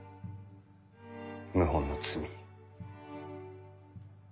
謀反の罪。